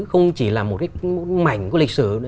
không chỉ là một cái mảnh của lịch sử